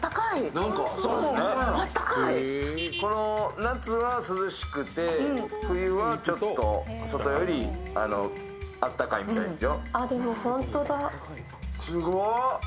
夏は涼しくて冬はちょっと外よりあったかいみたいですよ。